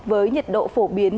với nhiệt độ phổ biến